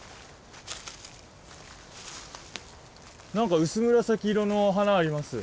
何か薄紫色の花あります。